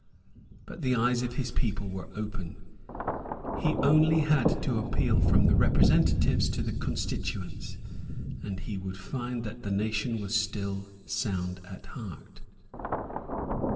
But the eyes of his people were opened. He had only to appeal from the representatives to the constituents; and he would find that the nation was still sound at heart.